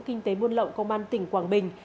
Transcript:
kinh tế muôn lộng công an tỉnh quảng bình